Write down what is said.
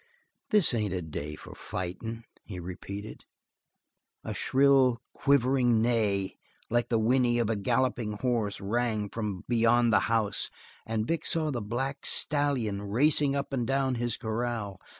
"This ain't a day for fighting," he repeated. A shrill, quavering neigh, like the whinney of a galloping horse, rang from beyond the house, and Vic saw the black stallion racing up and down his corral.